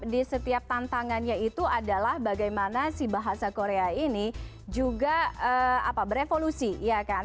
di setiap tantangannya itu adalah bagaimana si bahasa korea ini juga berevolusi ya kan